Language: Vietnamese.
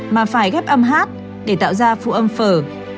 mà phải ghép âm hát để tạo ra phụ âm phụ âm